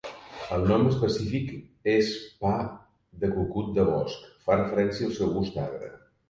El nom específic és pa de cucut de bosc, fa referència al seu gust agre.